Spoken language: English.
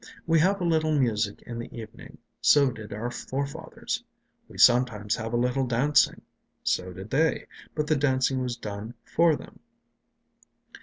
We have a little music in the evening; so did our forefathers. We sometimes have a little dancing; so did they, but the dancing was done for them.